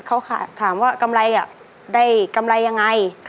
เขาถามว่ากำไรได้กำไรยังไง